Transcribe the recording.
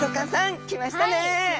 はい来ましたね。